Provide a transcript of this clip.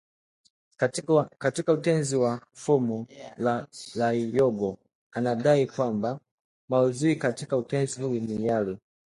Katika Utenzi wa Fumo Liyongo anadai kwamba maudhui katika utenzi huu ni yale